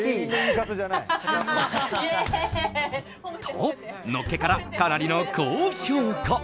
と、のっけからかなりの高評価。